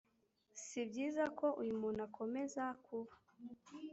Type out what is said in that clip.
Si byiza ko uyu muntu akomeza kuba